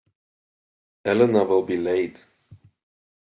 Elena will be late.